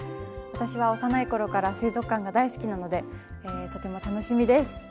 私は幼い頃から水族館が大好きなのでとても楽しみです。